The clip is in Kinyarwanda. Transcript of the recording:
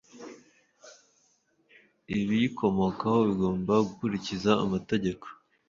ibiyikomokaho bigomba gukurikiza amategeko